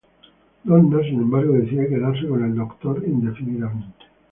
Donna, sin embargo, decide quedarse con el Doctor indefinidamente.